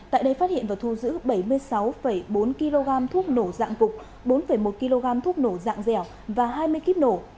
tại đây phát hiện và thu giữ bảy mươi sáu bốn kg thuốc nổ dạng cục bốn một kg thuốc nổ dạng dẻo và hai mươi kíp nổ